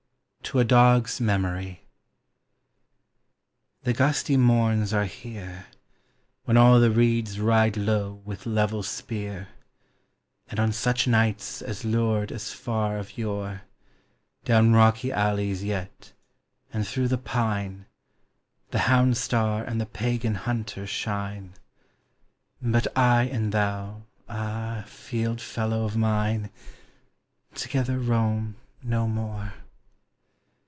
TO A DOG'S MEMORY. The gusty morns are here, When all the reeds ride low with level spear; And on such nights as lured us far of yore, Down rocky alleys yet, and thro' the pitfe, The Hound star and the pagan Hunter shine: But I and thou, ah, field fellow of mine, Together roam no more.